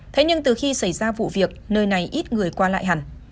thế nhưng từ khi xảy ra vụ việc nơi này ít người qua lại hẳn